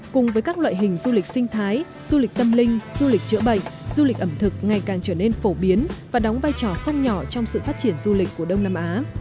cùng với các loại hình du lịch sinh thái du lịch tâm linh du lịch chữa bệnh du lịch ẩm thực ngày càng trở nên phổ biến và đóng vai trò không nhỏ trong sự phát triển du lịch của đông nam á